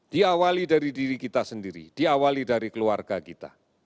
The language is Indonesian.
diawali dari diri kita sendiri diawali dari keluarga kita